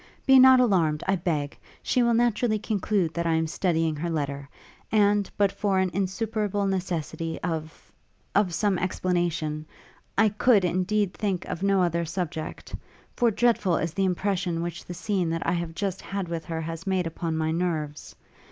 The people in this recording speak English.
Be not alarmed, I beg: she will naturally conclude that I am studying her letter; and, but for an insuperable necessity of of some explanation, I could, indeed think of no other subject: for dreadful is the impression which the scene that I have just had with her has made upon my nerves.